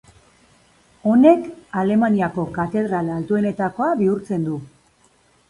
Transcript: Honek Alemaniako katedral altuenetakoa bihurtzen du.